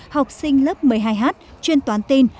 học sinh lớp một mươi hai h chuyên toán tin